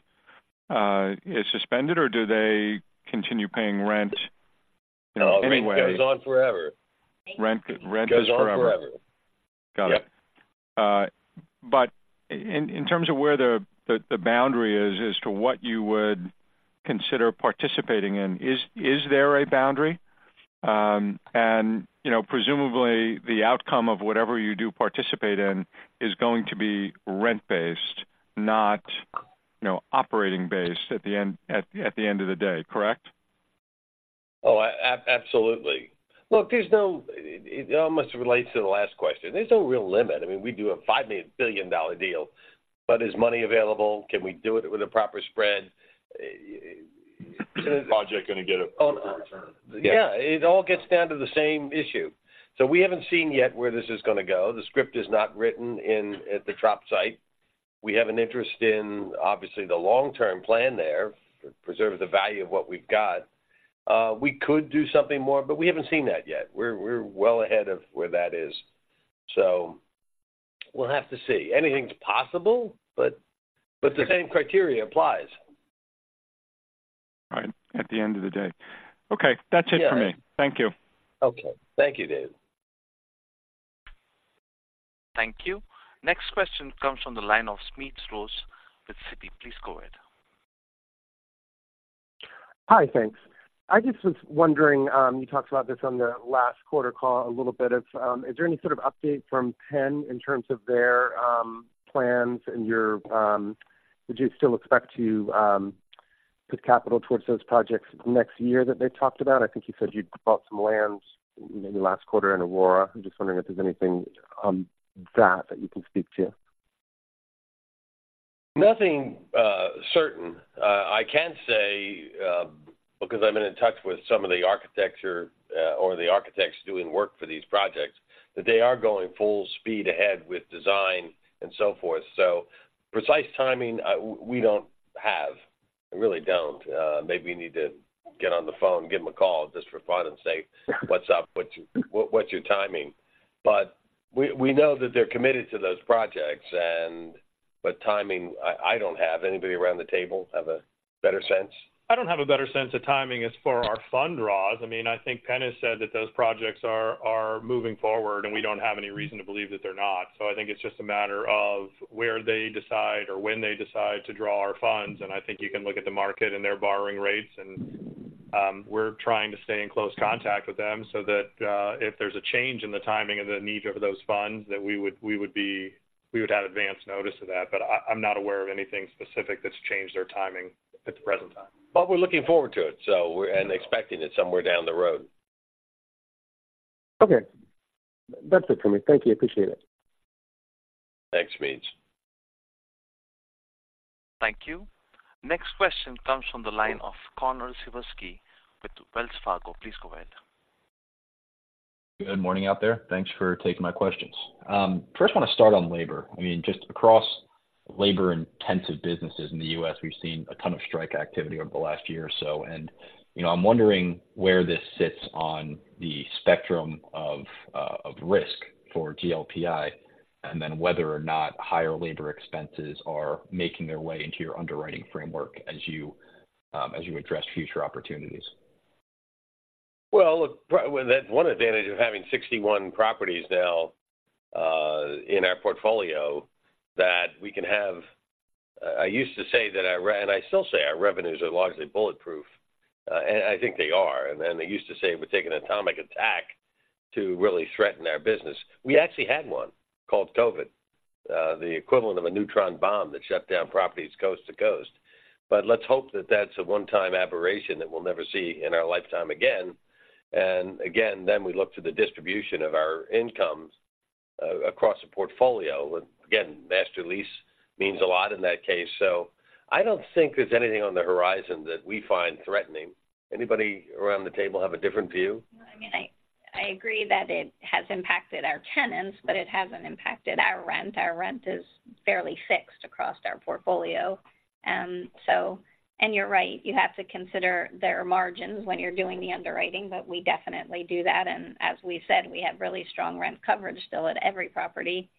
is suspended, or do they continue paying rent, you know, anyway? Rent goes on forever. Rent, rent is forever. Goes on forever. Got it. Yep. But in terms of where the boundary is as to what you would consider participating in, is there a boundary? And, you know, presumably, the outcome of whatever you do participate in is going to be rent-based, not, you know, operating-based at the end of the day, correct? Oh, absolutely. Look, there's no—it almost relates to the last question. There's no real limit. I mean, we do a $5 billion deal, but is money available? Can we do it with a proper spread? Project going to get a return. Yeah, it all gets down to the same issue. So we haven't seen yet where this is gonna go. The script is not written in at the Trop site. We have an interest in, obviously, the long-term plan there to preserve the value of what we've got. We could do something more, but we haven't seen that yet. We're well ahead of where that is, so we'll have to see. Anything's possible, but the same criteria applies. Right, at the end of the day. Okay. Yeah. That's it for me. Thank you. Okay. Thank you, David. Thank you. Next question comes from the line of Smedes Rose with Citi. Please go ahead. Hi, thanks. I just was wondering, you talked about this on the last quarter call a little bit. Is there any sort of update from Penn in terms of their plans and your, would you still expect to put capital towards those projects next year that they talked about? I think you said you'd bought some lands in the last quarter in Aurora. I'm just wondering if there's anything on that that you can speak to. Nothing certain. I can say, because I've been in touch with some of the architecture or the architects doing work for these projects, that they are going full speed ahead with design and so forth. So precise timing, we don't have. We really don't. Maybe we need to get on the phone, give them a call, just for fun, and say, "What's up? What's your, what's your timing?" But we, we know that they're committed to those projects and, but timing, I, I don't have. Anybody around the table have a better sense? I don't have a better sense of timing as far as our fund draws. I mean, I think Penn has said that those projects are moving forward, and we don't have any reason to believe that they're not. So I think it's just a matter of where they decide or when they decide to draw our funds, and I think you can look at the market and their borrowing rates. And, we're trying to stay in close contact with them so that if there's a change in the timing and the need for those funds, that we would have advance notice of that, but I'm not aware of anything specific that's changed their timing at the present time. But we're looking forward to it, so we're expecting it somewhere down the road.... Okay, that's it for me. Thank you. Appreciate it. Thanks, Smedes. Thank you. Next question comes from the line of Connor Siversky with Wells Fargo. Please go ahead. Good morning out there. Thanks for taking my questions. First, I want to start on labor. I mean, just across labor-intensive businesses in the U.S., we've seen a ton of strike activity over the last year or so, and, you know, I'm wondering where this sits on the spectrum of risk for GLPI, and then whether or not higher labor expenses are making their way into your underwriting framework as you address future opportunities. Well, look, well, that one advantage of having 61 properties now in our portfolio, that we can have. I used to say that our revenues are largely bulletproof, and I think they are. And then I used to say, it would take an atomic attack to really threaten our business. We actually had one, called COVID, the equivalent of a neutron bomb that shut down properties coast to coast. But let's hope that that's a one-time aberration that we'll never see in our lifetime again. And again, then we look to the distribution of our incomes across the portfolio. Again, master lease means a lot in that case. So I don't think there's anything on the horizon that we find threatening. Anybody around the table have a different view? I mean, I agree that it has impacted our tenants, but it hasn't impacted our rent. Our rent is fairly fixed across our portfolio. So, and you're right, you have to consider their margins when you're doing the underwriting, but we definitely do that. And as we said, we have really strong rent coverage still at every property.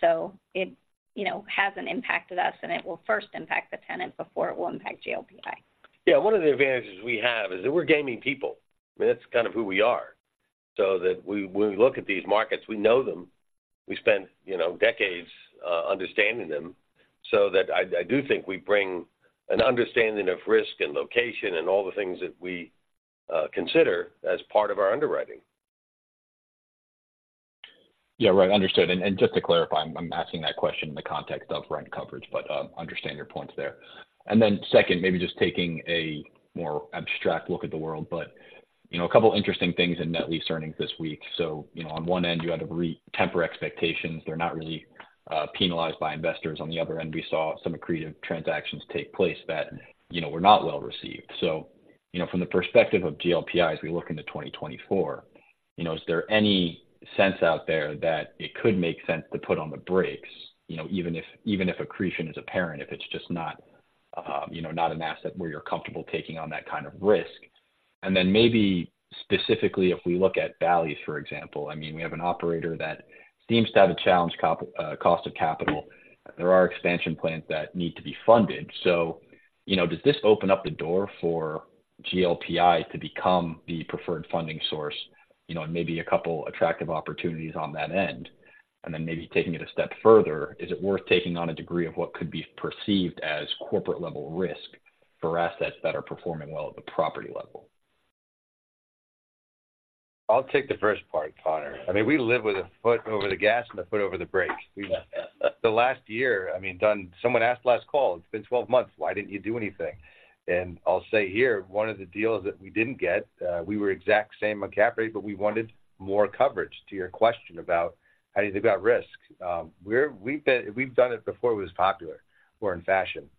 So it, you know, hasn't impacted us, and it will first impact the tenant before it will impact GLPI. Yeah. One of the advantages we have is that we're gaming people. That's kind of who we are. So that we when we look at these markets, we know them. We spent, you know, decades understanding them. So that I, I do think we bring an understanding of risk and location and all the things that we consider as part of our underwriting. Yeah, right. Understood. And just to clarify, I'm asking that question in the context of rent coverage, but understand your points there. And then second, maybe just taking a more abstract look at the world, but you know, a couple of interesting things in net lease earnings this week. So, you know, on one end, you had to re-temper expectations. They're not really penalized by investors. On the other end, we saw some accretive transactions take place that, you know, were not well received. So, you know, from the perspective of GLPI, as we look into 2024, you know, is there any sense out there that it could make sense to put on the brakes? You know, even if accretion is apparent, if it's just not, you know, not an asset where you're comfortable taking on that kind of risk. Then maybe specifically, if we look at Bally's, for example, I mean, we have an operator that seems to have a challenged cap, cost of capital. There are expansion plans that need to be funded. So, you know, does this open up the door for GLPI to become the preferred funding source? You know, and maybe a couple attractive opportunities on that end. And then maybe taking it a step further, is it worth taking on a degree of what could be perceived as corporate-level risk for assets that are performing well at the property level? I'll take the first part, Connor. I mean, we live with a foot over the gas and a foot over the brake. The last year, I mean, someone asked last call, "It's been 12 months, why didn't you do anything?" And I'll say here, one of the deals that we didn't get, we were exact same cap rate, but we wanted more coverage to your question about how do you think about risk. We're-- we've been-- we've done it before it was popular or in fashion,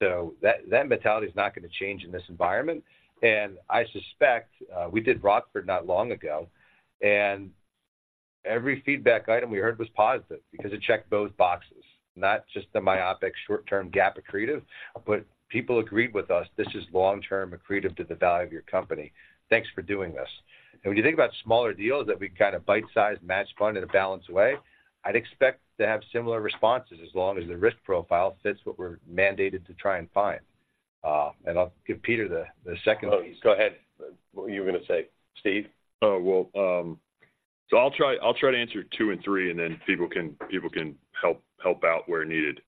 so that, that mentality is not going to change in this environment. And I suspect, we did Rockford not long ago, and every feedback item we heard was positive because it checked both boxes, not just the myopic short-term GAAP accretive, but people agreed with us, this is long-term accretive to the value of your company. Thanks for doing this. When you think about smaller deals that we kind of bite-size, match fund in a balanced way, I'd expect to have similar responses as long as the risk profile fits what we're mandated to try and find. I'll give Peter the second piece. Go ahead. What were you going to say, Steve? Oh, well, so I'll try, I'll try to answer two and three, and then people can, people can help, help out where needed.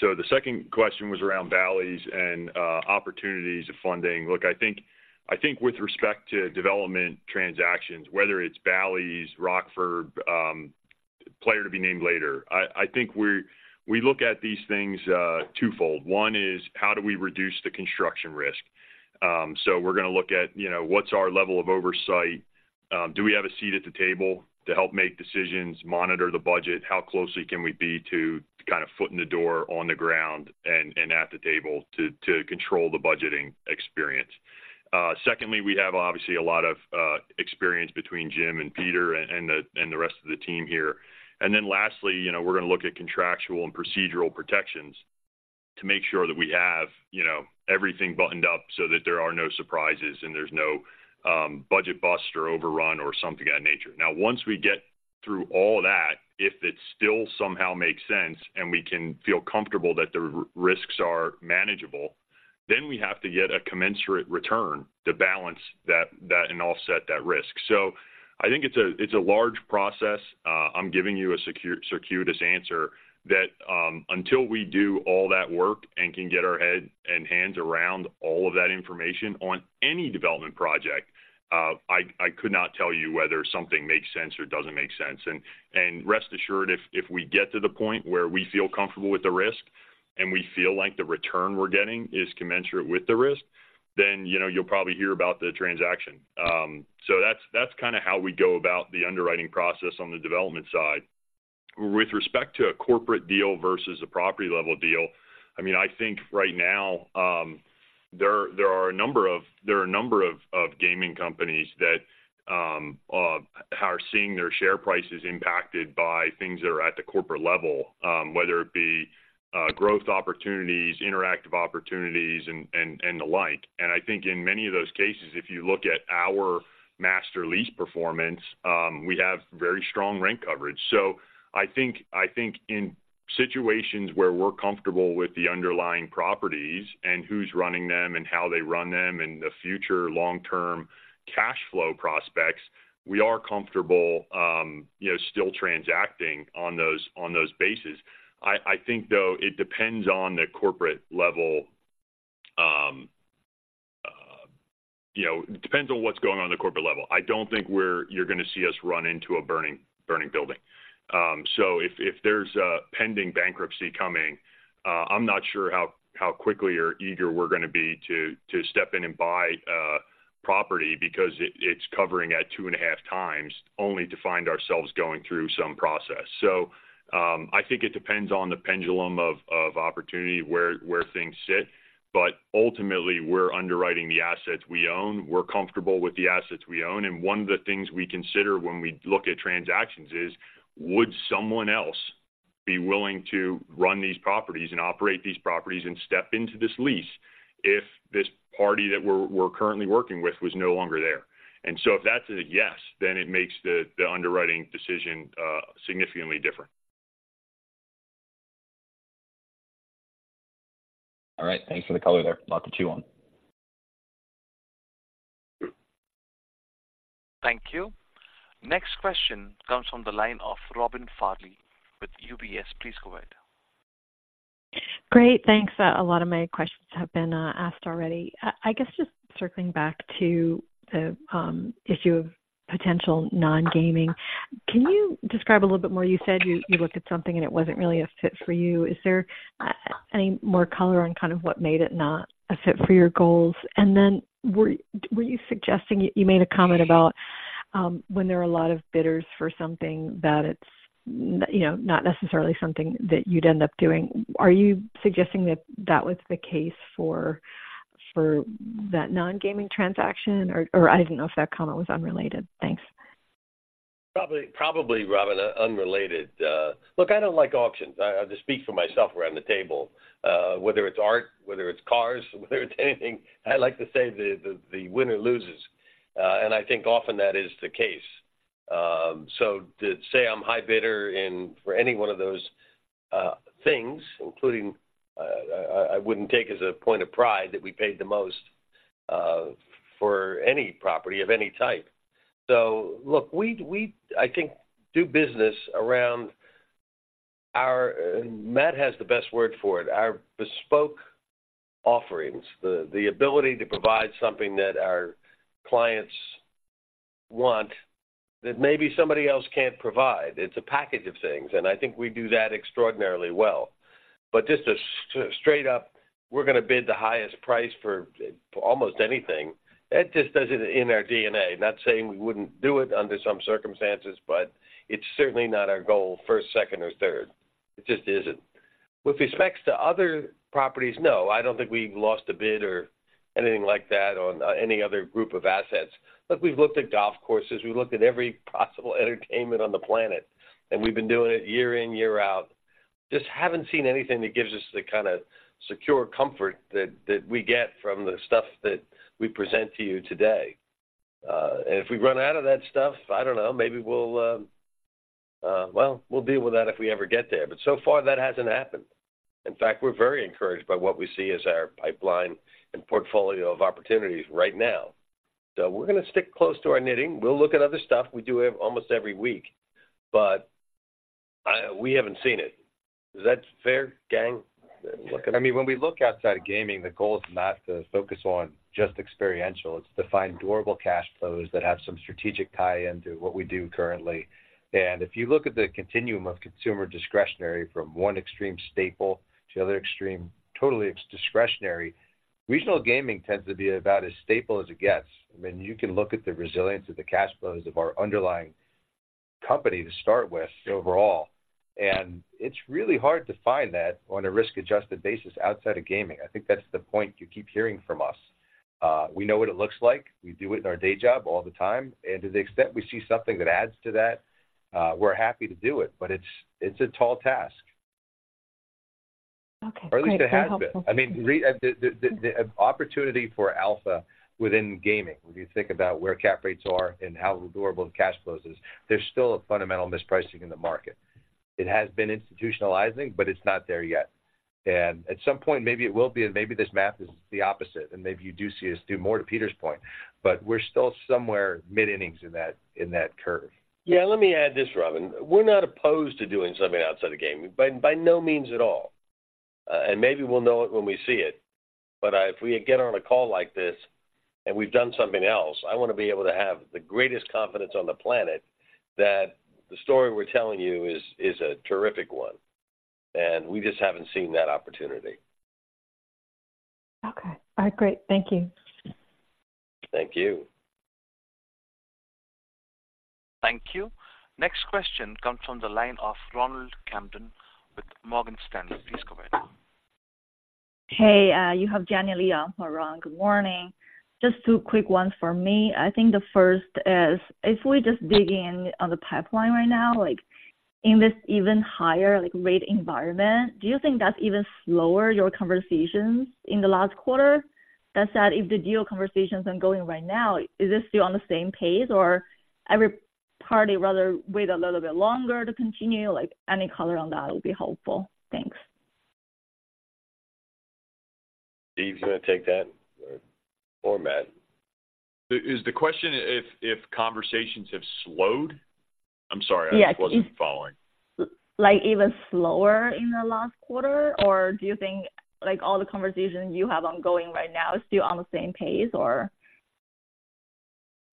So the second question was around Bally's and opportunities of funding. Look, I think, I think with respect to development transactions, whether it's Bally's, Rockford, player to be named later, I, I think we're—we look at these things, twofold. One is, how do we reduce the construction risk? So we're going to look at, you know, what's our level of oversight? Do we have a seat at the table to help make decisions, monitor the budget? How closely can we be to kind of foot in the door on the ground and, and at the table to, to control the budgeting experience? Secondly, we have obviously a lot of experience between Jim and Peter and the rest of the team here. And then lastly, you know, we're going to look at contractual and procedural protections to make sure that we have, you know, everything buttoned up so that there are no surprises and there's no budget bust or overrun or something of that nature. Now, once we get through all that, if it still somehow makes sense and we can feel comfortable that the risks are manageable, then we have to get a commensurate return to balance that and offset that risk. So I think it's a large process. I'm giving you a secure, circuitous answer, that until we do all that work and can get our head and hands around all of that information on any development project, I could not tell you whether something makes sense or doesn't make sense. Rest assured, if we get to the point where we feel comfortable with the risk and we feel like the return we're getting is commensurate with the risk, then, you know, you'll probably hear about the transaction. So that's kind of how we go about the underwriting process on the development side. With respect to a corporate deal versus a property-level deal, I mean, I think right now, there are a number of gaming companies that are seeing their share prices impacted by things that are at the corporate level, whether it be growth opportunities, interactive opportunities, and the like. And I think in many of those cases, if you look at our master lease performance, we have very strong rent coverage. So I think in situations where we're comfortable with the underlying properties and who's running them and how they run them and the future long-term cash flow prospects, we are comfortable, you know, still transacting on those bases. I think, though, it depends on the corporate level, you know, depends on what's going on in the corporate level. I don't think we're-- you're gonna see us run into a burning, burning building. If there's a pending bankruptcy coming, I'm not sure how, how quickly or eager we're gonna be to step in and buy a property because it, it's covering at 2.5 times, only to find ourselves going through some process. I think it depends on the pendulum of opportunity where, where things sit. Ultimately, we're underwriting the assets we own. We're comfortable with the assets we own, and one of the things we consider when we look at transactions is: Would someone else be willing to run these properties and operate these properties and step into this lease if this party that we're, we're currently working with was no longer there? And so if that's a yes, then it makes the underwriting decision significantly different. All right. Thanks for the color there. Good luck to you all. Thank you. Next question comes from the line of Robin Farley with UBS. Please go ahead. Great, thanks. A lot of my questions have been asked already. I guess just circling back to the issue of potential non-gaming, can you describe a little bit more? You said you looked at something, and it wasn't really a fit for you. Is there any more color on kind of what made it not a fit for your goals? And then were you suggesting... You made a comment about when there are a lot of bidders for something that it's, you know, not necessarily something that you'd end up doing. Are you suggesting that that was the case for that non-gaming transaction, or I didn't know if that comment was unrelated. Thanks. Probably, probably, Robin, unrelated. Look, I don't like auctions. I just speak for myself around the table, whether it's art, whether it's cars, whether it's anything. I like to say the winner loses, and I think often that is the case. So to say I'm high bidder in for any one of those things, including, I wouldn't take as a point of pride that we paid the most for any property of any type. So look, we, I think, do business around our, Matt has the best word for it, our bespoke offerings, the ability to provide something that our clients want that maybe somebody else can't provide. It's a package of things, and I think we do that extraordinarily well. But just a straight up, we're gonna bid the highest price for almost anything, that just doesn't in our DNA. Not saying we wouldn't do it under some circumstances, but it's certainly not our goal first, second, or third. It just isn't. With respect to other properties, no, I don't think we've lost a bid or anything like that on any other group of assets. Look, we've looked at golf courses, we've looked at every possible entertainment on the planet, and we've been doing it year in, year out. Just haven't seen anything that gives us the kind of secure comfort that we get from the stuff that we present to you today. And if we run out of that stuff, I don't know, maybe we'll, well, we'll deal with that if we ever get there, but so far, that hasn't happened. In fact, we're very encouraged by what we see as our pipeline and portfolio of opportunities right now. So we're gonna stick close to our knitting. We'll look at other stuff. We do it almost every week, but, we haven't seen it. Is that fair, gang? Look, I mean, when we look outside of gaming, the goal is not to focus on just experiential. It's to find durable cash flows that have some strategic tie-in to what we do currently. And if you look at the continuum of consumer discretionary from one extreme staple to the other extreme, totally, it's discretionary. Regional gaming tends to be about as staple as it gets. I mean, you can look at the resilience of the cash flows of our underlying company to start with overall, and it's really hard to find that on a risk-adjusted basis outside of gaming. I think that's the point you keep hearing from us. We know what it looks like. We do it in our day job all the time, and to the extent we see something that adds to that, we're happy to do it, but it's a tall task. Okay. Or at least it has been. Very helpful. I mean, the opportunity for alpha within gaming, when you think about where cap rates are and how durable the cash flow is, there's still a fundamental mispricing in the market. It has been institutionalizing, but it's not there yet. And at some point, maybe it will be, and maybe this math is the opposite, and maybe you do see us do more to Peter's point, but we're still somewhere mid-innings in that, in that curve. Yeah, let me add this, Robin. We're not opposed to doing something outside of gaming, by no means at all, and maybe we'll know it when we see it. But if we get on a call like this, and we've done something else, I wanna be able to have the greatest confidence on the planet that the story we're telling you is a terrific one, and we just haven't seen that opportunity. Okay. All right, great. Thank you. Thank you. Thank you. Next question comes from the line of Ronald Kamdem with Morgan Stanley. Please go ahead. Hey, you have Jenny Li for Ron, good morning. Just two quick ones for me. I think the first is, if we just dig in on the pipeline right now, like, in this even higher, like, rate environment, do you think that's even slower, your conversations in the last quarter? That said, if the deal conversations are going right now, is this still on the same pace, or every party rather wait a little bit longer to continue? Like, any color on that would be helpful. Thanks. Steve, you gonna take that or Matt? Is the question if conversations have slowed? I'm sorry. Yeah. I wasn't following. Like, even slower in the last quarter, or do you think, like, all the conversations you have ongoing right now is still on the same pace or?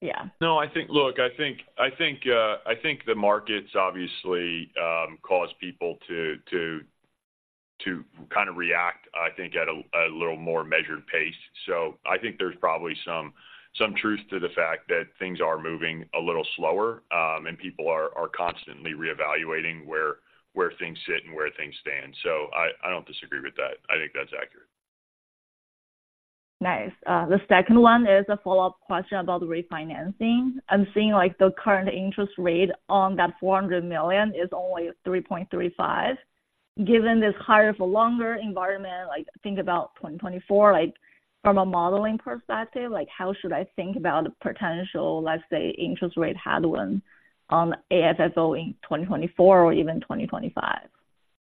Yeah. No, I think... Look, I think the markets obviously cause people to kind of react, I think, at a little more measured pace. So I think there's probably some truth to the fact that things are moving a little slower, and people are constantly reevaluating where things sit and where things stand. So I don't disagree with that. I think that's accurate. Nice. The second one is a follow-up question about the refinancing. I'm seeing, like, the current interest rate on that $400 million is only 3.35%. Given this higher for longer environment, like, think about 2024, like, from a modeling perspective, like, how should I think about the potential, let's say, interest rate headwind on AFFO in 2024 or even 2025?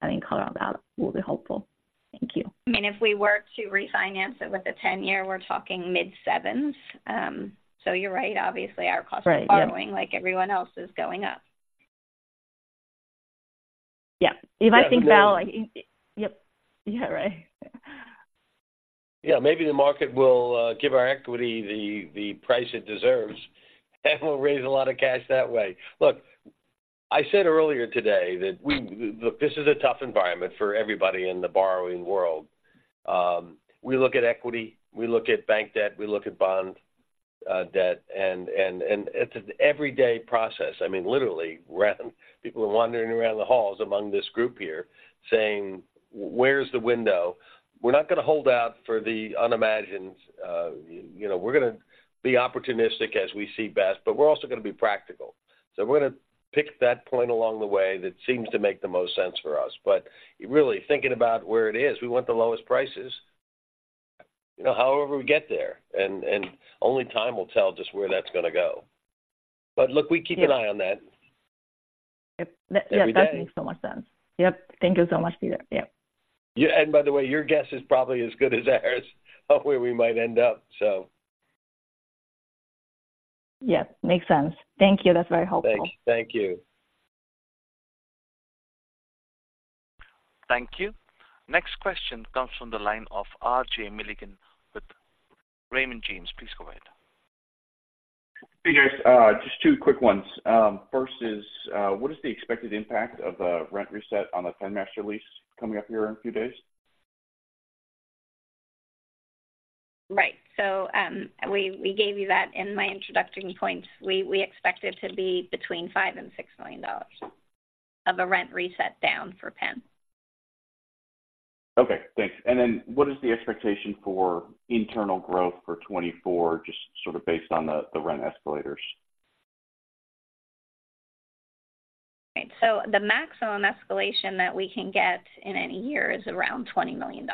Any color on that will be helpful. Thank you. I mean, if we were to refinance it with a 10-year, we're talking mid-sevens. So you're right. Obviously, our cost- Right. Yep of borrowing, like everyone else, is going up. Yeah. If I think about, like... Yep. Yeah, right. Yeah, maybe the market will give our equity the price it deserves, and we'll raise a lot of cash that way. Look, I said earlier today that we look, this is a tough environment for everybody in the borrowing world. We look at equity, we look at bank debt, we look at bond debt, and it's an everyday process. I mean, literally, random. People are wandering around the halls among this group here saying, "Where's the window?" We're not gonna hold out for the unimagined. You know, we're gonna be opportunistic as we see best, but we're also gonna be practical. So we're gonna pick that point along the way that seems to make the most sense for us. Really thinking about where it is, we want the lowest prices, you know, however we get there, and only time will tell just where that's gonna go. But look, we keep an eye on that. Yep. Every day. Yeah, that makes so much sense. Yep. Thank you so much, Peter. Yep. Yeah, and by the way, your guess is probably as good as ours, of where we might end up, so. Yes, makes sense. Thank you. That's very helpful. Thank you. Thank you. Next question comes from the line of RJ Milligan with Raymond James. Please go ahead. Hey, guys. Just two quick ones. First is, what is the expected impact of the rent reset on the Penn Master lease coming up here in a few days? Right. So, we gave you that in my introductory points. We expect it to be between $5 million and $6 million of a rent reset down for Penn. Okay, thanks. And then what is the expectation for internal growth for 2024, just sort of based on the rent escalations? Right. So the maximum escalation that we can get in any year is around $20 million.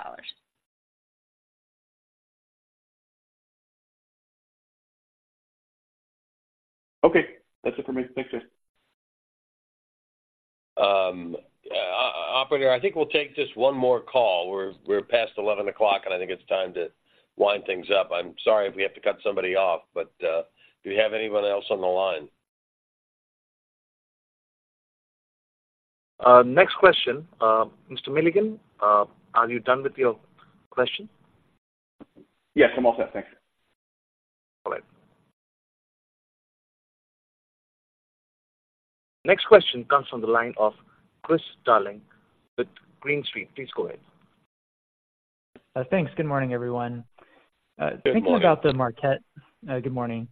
Okay. That's it for me. Thanks, guys. Operator, I think we'll take just one more call. We're past 11 o'clock, and I think it's time to wind things up. I'm sorry if we have to cut somebody off, but do you have anyone else on the line? Next question, Mr. Milligan, are you done with your question? Yes, I'm all set. Thanks. All right. Next question comes from the line of Chris Darling with Green Street. Please go ahead. Thanks. Good morning, everyone. Good morning. Good morning.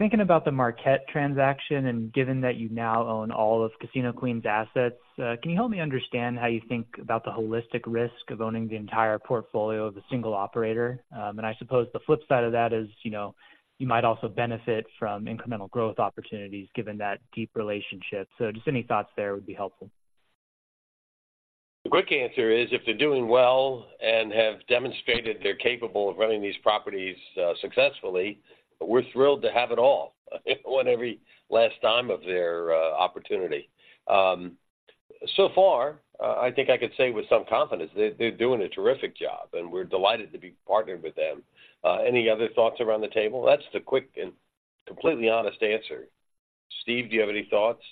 Thinking about the Marquette transaction and given that you now own all of Casino Queen's assets, can you help me understand how you think about the holistic risk of owning the entire portfolio of a single operator? And I suppose the flip side of that is, you know, you might also benefit from incremental growth opportunities given that deep relationship. So just any thoughts there would be helpful. The quick answer is, if they're doing well and have demonstrated they're capable of running these properties, successfully, we're thrilled to have it all. Want every last dime of their, opportunity. So far, I think I could say with some confidence, they're doing a terrific job, and we're delighted to be partnered with them. Any other thoughts around the table? That's the quick and completely honest answer. Steve, do you have any thoughts?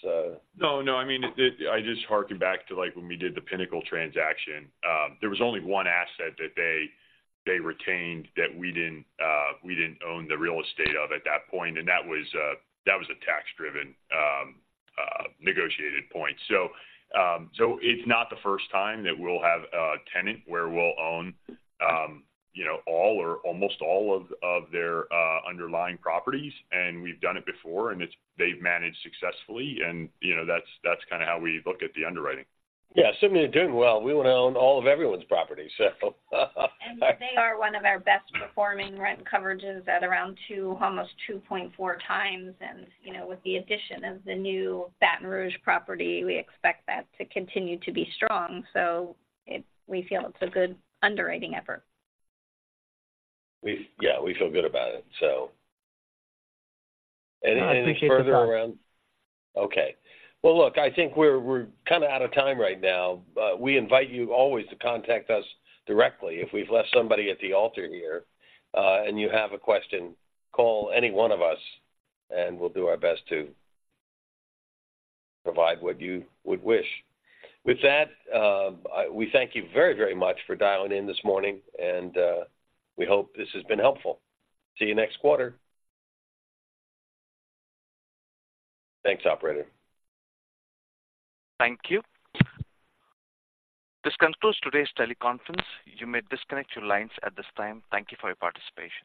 No, no, I mean, I just harken back to, like, when we did the Pinnacle transaction. There was only one asset that they retained that we didn't own the real estate of at that point, and that was a tax-driven, negotiated point. So, it's not the first time that we'll have a tenant where we'll own, you know, all or almost all of their underlying properties, and we've done it before, and it's-they've managed successfully, and, you know, that's kind of how we look at the underwriting. Yeah, assuming they're doing well, we wanna own all of everyone's property, so. They are one of our best performing rent coverages at around 2x, almost 2.4x, and, you know, with the addition of the new Baton Rouge property, we expect that to continue to be strong, so, it, we feel it's a good underwriting effort. Yeah, we feel good about it. So... anything further around? I think that's all. Okay. Well, look, I think we're kind of out of time right now, but we invite you always to contact us directly. If we've left somebody at the altar here, and you have a question, call any one of us, and we'll do our best to provide what you would wish. With that, we thank you very, very much for dialing in this morning, and we hope this has been helpful. See you next quarter. Thanks, operator. Thank you. This concludes today's teleconference. You may disconnect your lines at this time. Thank you for your participation.